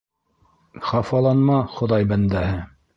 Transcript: Хафаланма, Хоҙай бәндәһе.